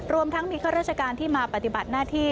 รวมทั้งมีข้าราชการที่มาปฏิบัติหน้าที่